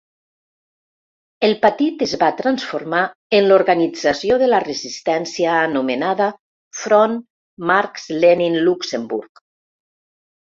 El patit es va transformar en l'organització de la resistència anomenada Front Marx-Lenin-Luxemburg.